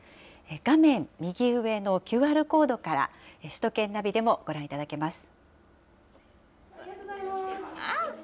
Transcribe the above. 画面右上のＱＲコードから、首都圏ナビでもご覧いただけます。